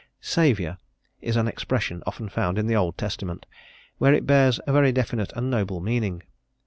"Saviour," is an expression often found in the Old Testament, where it bears a very definite and noble meaning.